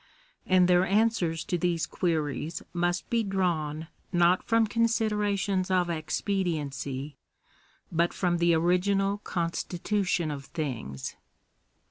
And their answers to these queries must be drawn, not from considerations of expediency, but from the original constitution of things.